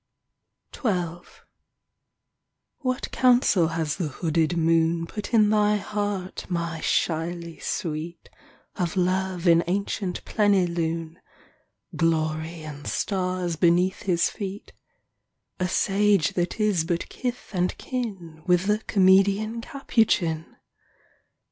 XII What counsel has the hooded moon Put in thy heart, my shyly sweet, Of Love in ancient plenilune, Glory and stars beneath his feet — A sage that is but kith and kin With the comedian Capuchin